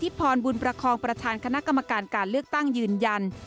พรบุญประคองประธานคณะกรรมการการเลือกตั้งยืนยัน